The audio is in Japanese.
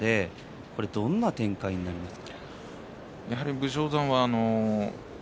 どんな展開になりますか。